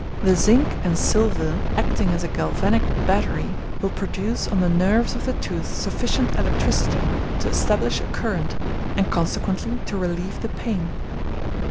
The zinc and silver, acting as a galvanic battery, will produce on the nerves of the tooth sufficient electricity to establish a current, and consequently to relieve the pain.